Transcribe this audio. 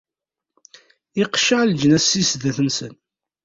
Iqecceɛ leǧnas si sdat-nsen.